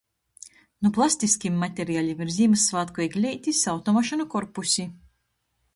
Nu plastiskim materialim ir Zīmyssvātku egleitis, automašynu korpusi.